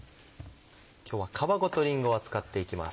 今日は皮ごとりんごは使っていきます。